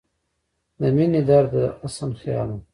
د مينې درده، د حسن خياله